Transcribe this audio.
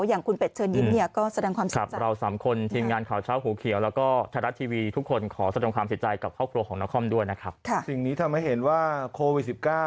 อย่างคุณเป็ดเชิญยิ้มก็แสดงความสินใจ